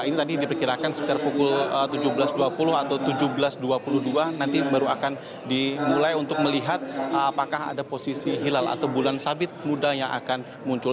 ini tadi diperkirakan sekitar pukul tujuh belas dua puluh atau tujuh belas dua puluh dua nanti baru akan dimulai untuk melihat apakah ada posisi hilal atau bulan sabit muda yang akan muncul